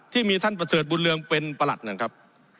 ที่มีท่านประเสริฐบุญเรืองเป็นประหลัดนะครับ